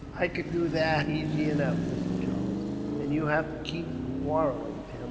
"I could do that asy enough, Mr. Charles." "And you have to keep from quarrelling, Tim.